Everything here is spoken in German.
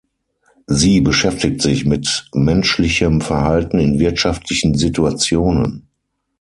Sie beschäftigt sich mit menschlichem Verhalten in wirtschaftlichen Situationen.